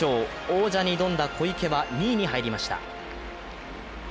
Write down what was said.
王者に挑んだ小池は２位に入りました。